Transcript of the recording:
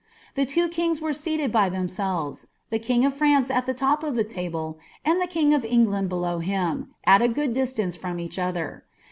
The two kings were senied by ihoncelTM, Owku^ of France ai ihe top of the table, and ibe king of England b«law Im, St a good diblance from each other.